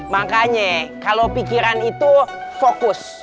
makanya kalau pikiran itu fokus